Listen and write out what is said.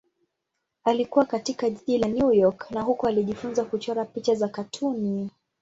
Alikua katika jiji la New York na huko alijifunza kuchora picha za katuni.